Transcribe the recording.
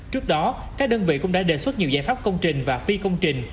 trước đó các đơn vị cũng đã đề xuất nhiều giải pháp công trình và phi công trình